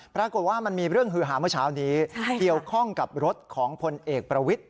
ปรากฏว่ามันมีเรื่องฮือหาเมื่อเช้านี้เกี่ยวข้องกับรถของพลเอกประวิทธิ